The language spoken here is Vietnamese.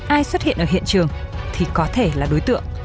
ai xuất hiện ở hiện trường thì có thể là đối tượng